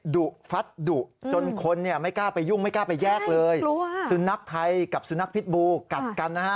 ดุฟัดดุจนคนเนี่ยไม่กล้าไปยุ่งไม่กล้าไปแยกเลยสุนัขไทยกับสุนัขพิษบูกัดกันนะฮะ